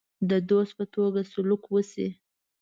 د دوست په توګه سلوک وشي.